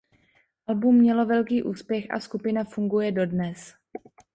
Album mělo velký úspěch a skupina funguje dodnes.